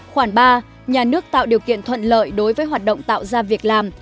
khoản ba nhà nước tạo điều kiện thuận lợi đối với hoạt động tạo ra việc làm